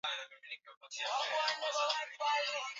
Mkoa mmoja wapo wa mikoa inayolima viazi lishe ni Kagera